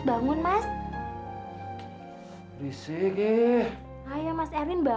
aku tak tahu kenapa